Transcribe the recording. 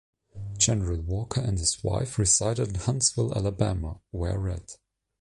General Walker and his wife resided in Huntsville, Alabama where Ret.